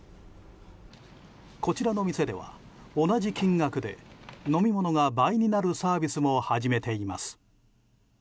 こちらの店では同じ金額で飲み物が倍になるサービスも始めています。